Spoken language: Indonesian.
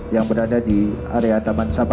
yang akan mengantarkan anda melihat lokasi satwa